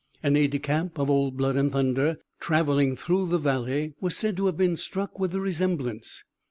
An aide de camp of Old Blood and Thunder, travelling through the valley, was said to have been struck with the resemblance.